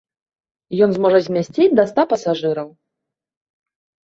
Ён зможа мясціць да ста пасажыраў.